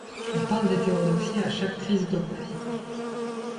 On parle d'hétérodoxie à chaque crise dogmatique.